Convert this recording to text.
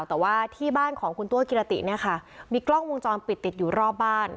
แต่ว่าที่บ้านของคุณตัวกิรติเนี่ยค่ะมีกล้องวงจรปิดติดอยู่รอบบ้าน